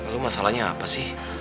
lu masalahnya apa sih